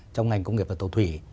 trong ngành công nghiệp và tổ thủy